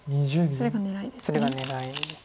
それが狙いです。